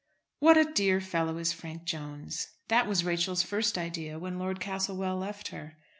What a dear fellow is Frank Jones. That was Rachel's first idea when Lord Castlewell left her.